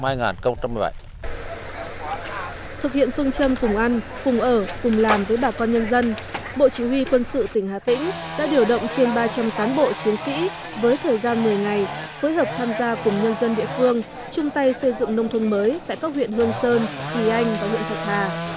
thực hiện phương châm cùng ăn cùng ở cùng làm với bà con nhân dân bộ chỉ huy quân sự tỉnh hà tĩnh đã điều động trên ba trăm linh cán bộ chiến sĩ với thời gian một mươi ngày phối hợp tham gia cùng nhân dân địa phương chung tay xây dựng nông thôn mới tại các huyện hương sơn kỳ anh và huyện thuận hà